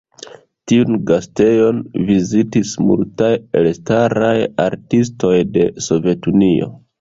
Tiun gastejon vizitis multaj elstaraj artistoj de Sovetunio.